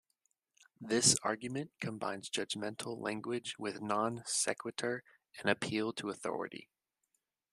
This argument combines judgmental language with "non sequitur" and appeal to authority.